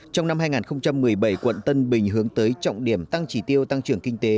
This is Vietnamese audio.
trong năm hai nghìn một mươi bảy quận tân bình hướng tới trọng điểm tăng trí tiêu tăng trưởng kinh tế